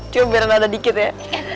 cuma biar nada dikit ya